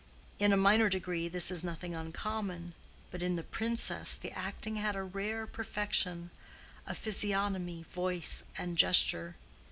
In a minor degree this is nothing uncommon, but in the Princess the acting had a rare perfection of physiognomy, voice, and gesture.